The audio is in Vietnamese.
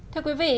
thưa quý vị